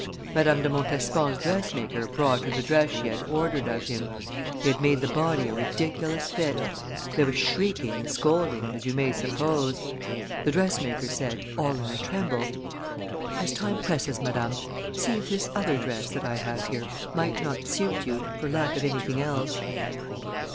Madame de Montespan's dressmaker brought her the dress she had ordered of him; he had made the body a ridiculous fit; there was shrieking and scolding as you may suppose. The dressmaker said, all in a tremble, 'As time presses, madame, see if this other dress that I have here might not suit you for lack of anything else.